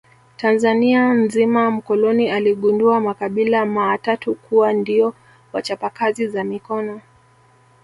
Tanzania nzima mkoloni aligundua makabila maatatu kuwa ndio wachapa kazi za mikono